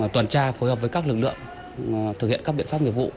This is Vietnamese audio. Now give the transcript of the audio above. toàn tra phối hợp với các lực lượng thực hiện các biện pháp nghiệp vụ